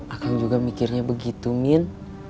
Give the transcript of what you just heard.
akan juga mikirnya begitu min